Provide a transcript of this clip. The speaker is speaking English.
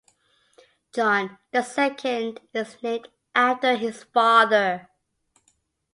John, the second, is named after his father.